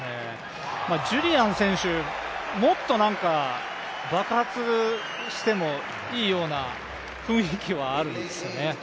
ジュリアン選手、もっと爆発してもいいような雰囲気はあるんですよね。